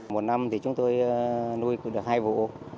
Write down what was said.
một năm thì chúng tôi nuôi được hai vụ